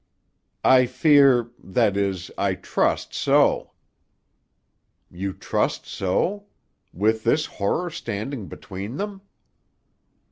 "I fear—that is, I trust so." "You trust so? With this horror standing between them!"